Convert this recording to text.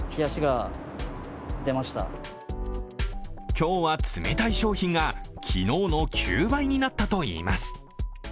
今日は冷たい商品が昨日の９倍になったといいます。